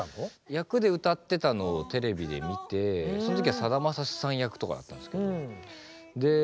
役で歌ってたのをテレビで見てその時はさだまさしさん役とかだったんですけど。